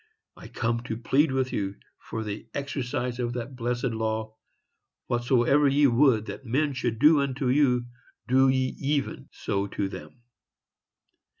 I come to plead with you for the exercise of that blessed law, "Whatsoever ye would that men should do unto you, do ye even so to them."